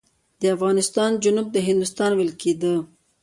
د افغانستان جنوب ته هندوستان ویل کېده.